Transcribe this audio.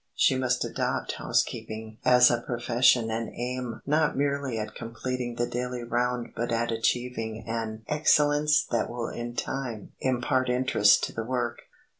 She must adopt housekeeping as a profession and aim not merely at completing the daily round but at achieving an excellence that will in time impart interest to the work.